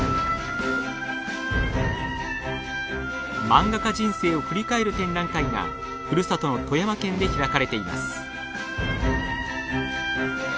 漫画家人生を振り返る展覧会がふるさとの富山県で開かれています。